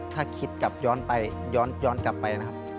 ถ้าคิดกลับย้อนไปย้อนกลับไปนะครับ